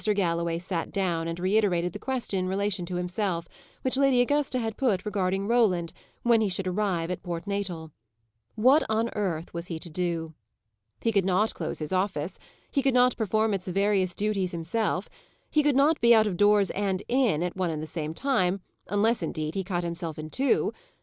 Galloway sat down, and reiterated the question in relation to himself, which Lady Augusta had put regarding Roland when he should arrive at Port Natal What on earth was he to do? He could not close his office; he could not perform its various duties himself; he could not be out of doors and in, at one and the same time, unless, indeed, he cut himself in two!